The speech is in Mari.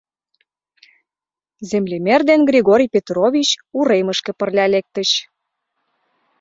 Землемер ден Григорий Петрович уремышке пырля лектыч.